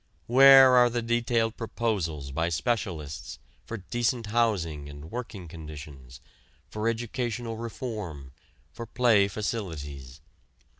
Where are the detailed proposals by specialists, for decent housing and working conditions, for educational reform, for play facilities?